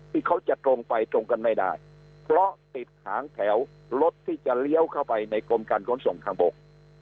ที่เขาจะตรงไปตรงกันไม่ได้เพราะติดหางแถวรถที่จะเลี้ยวเข้าไปในกรมการขนส่งทางบก